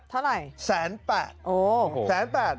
เท่าไหร่แสนแปดแสนแปด